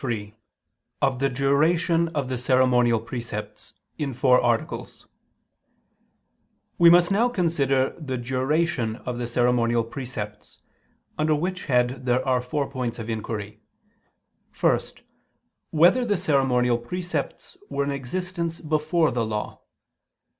________________________ QUESTION 103 OF THE DURATION OF THE CEREMONIAL PRECEPTS (In Four Articles) We must now consider the duration of the ceremonial precepts: under which head there are four points of inquiry: (1) Whether the ceremonial precepts were in existence before the Law?